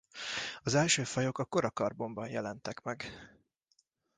Az első fajok a kora karbonban jelentek meg.